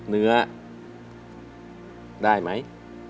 เนื้อได้ไหม